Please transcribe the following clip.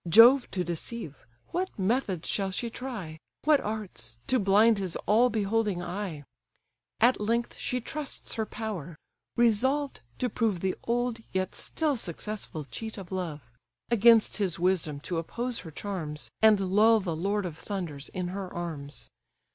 Jove to deceive, what methods shall she try, What arts, to blind his all beholding eye? At length she trusts her power; resolved to prove The old, yet still successful, cheat of love; Against his wisdom to oppose her charms, And lull the lord of thunders in her arms.